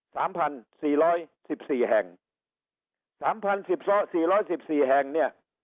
สามพันสี่ร้อยสิบสี่แห่งสามพันสิบสี่ร้อยสิบสี่แห่งเนี้ย